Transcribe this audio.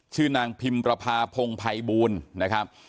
ชื่อนางพิมพ์ประภาพงภัยบูรณ์นะครับ